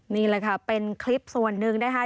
นี่แหละค่ะเป็นคลิปส่วนหนึ่งนะคะ